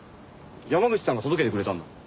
山口さんが届けてくれたんだ。